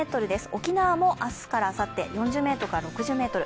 沖縄も明日からあさって４０メートルから６０メートル。